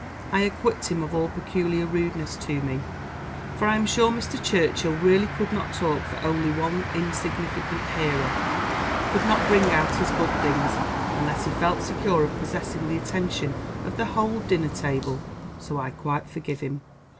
I acquit him of all peculiar rudeness to me, for I am sure Mr. Churchill really could not talk for only one insignificant hearer, could not bring out his good things, unless he felt secure of possessing the attention of the whole dinner table, so I quite forgive him."